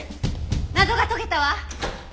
謎が解けたわ！